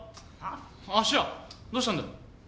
芦屋どうしたんだよ？